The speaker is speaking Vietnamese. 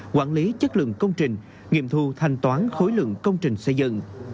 quản lý chất lượng công trình nghiệm thu thanh toán khối lượng công trình xây dựng